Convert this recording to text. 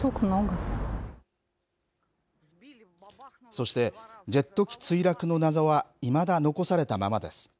そして、ジェット機墜落の謎は、いまだ残されたままです。